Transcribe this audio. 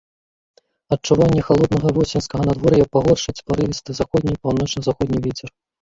Адчуванне халоднага восеньскага надвор'я пагоршыць парывісты заходні, паўночна-заходні вецер.